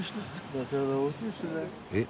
えっ？